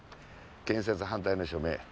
建設反対の署名。